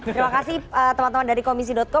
terima kasih teman teman dari komisi co